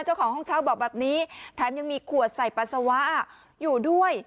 เจ้าของห้องเช่าบอกแบบนี้แถมยังมีขวดใส่ปัสสาวะอยู่ด้วย